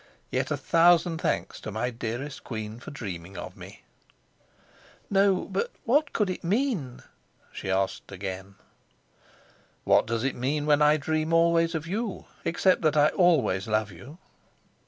Yet a thousand thanks to my dearest queen for dreaming of me." "No, but what could it mean?" she asked again. "What does it mean when I dream always of you, except that I always love you?"